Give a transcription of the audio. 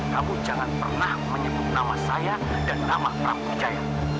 kamu jangan pernah menyebut nama saya dan nama pramujaya